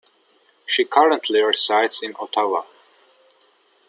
She currently resides in Ottawa.